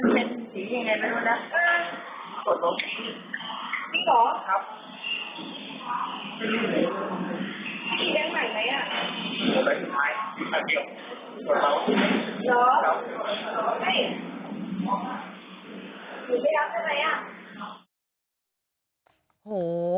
สวัสดีครับ